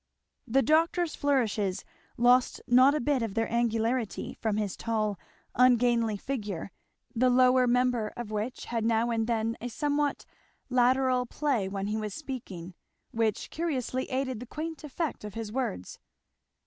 The doctor's flourishes lost not a bit of their angularity from his tall ungainly figure and a lantern jawed face, the lower member of which had now and then a somewhat lateral play when he was speaking, which curiously aided the quaint effect of his words.